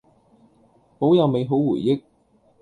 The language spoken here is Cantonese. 保有美好回憶